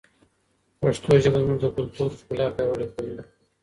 پښتو ژبه زموږ د کلتور ښکلا پیاوړې کوي.